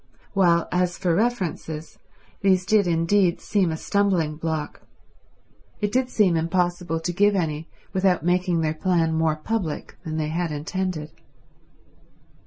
While as for references, these did indeed seem a stumbling block; it did seem impossible to give any without making their plan more public than they had intended.